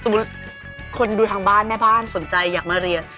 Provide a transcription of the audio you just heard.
คนดูทางบ้านแม่บ้านสนใจอยากมาเรียน